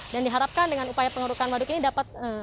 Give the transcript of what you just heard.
dan diharapkan dengan upaya penggerukan waduk ini dapat